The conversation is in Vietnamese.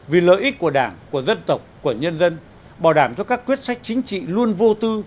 vì lợi ích của đảng của dân tộc của nhân dân bảo đảm cho các quyết sách chính trị luôn vô tư